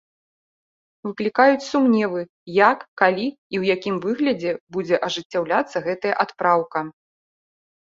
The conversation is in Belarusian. Выклікаюць сумневы, як, калі і ў якім выглядзе будзе ажыццяўляцца гэтая адпраўка.